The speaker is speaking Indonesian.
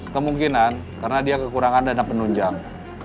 kemungkinan karena dia kekurangan dana penunjang